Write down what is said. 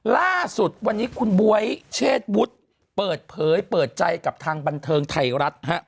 ล่าสุดวันนี้คุณบ๊วยเชษวุฒิเปิดเผยเปิดใจกับทางบันเทิงไทยรัฐฮะ